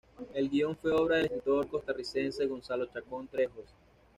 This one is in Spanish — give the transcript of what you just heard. El guion fue obra del escritor costarricense Gonzalo Chacón Trejos.